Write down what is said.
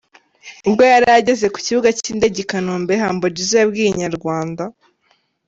Ubwo yari ageze ku kibuga cy’indege i Kanombe, Humble Jizzo yabwiye Inyarwanda.